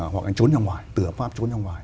hoặc anh trốn ra ngoài từ hợp pháp trốn ra ngoài